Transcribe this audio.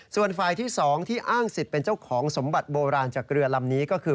ส่วนฝ่ายที่๒ที่อ้างสิทธิ์เป็นเจ้าของสมบัติโบราณจากเรือลำนี้ก็คือ